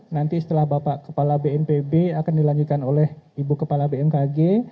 nanti setelah bapak kepala bnpb akan dilanjutkan oleh ibu kepala bmkg